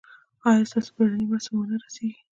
ایا ستاسو بیړنۍ مرسته به ور نه رسیږي؟